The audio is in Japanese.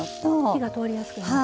火が通りやすくなる。